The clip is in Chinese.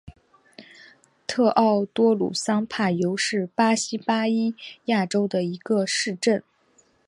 特奥多鲁桑帕尤是巴西巴伊亚州的一个市镇。